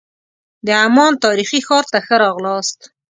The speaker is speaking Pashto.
د عمان تاریخي ښار ته ښه راغلاست.